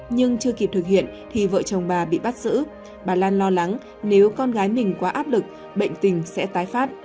nhưng chưa kịp thực hiện thì vợ chồng bà bị bắt giữ bà lan lo lắng nếu con gái mình quá áp lực bệnh tình sẽ tái phát